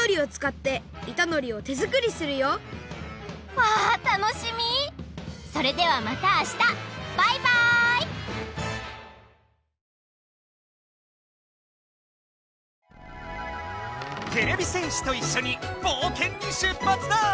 てれび戦士といっしょにぼうけんにしゅっぱつだ！